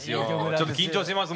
ちょっと緊張してます。